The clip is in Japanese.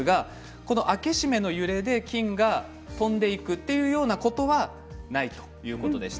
開け閉めの揺れで菌が飛んでいくというようなことは、ないということでした。